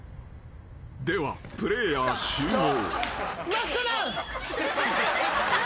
［ではプレーヤー集合］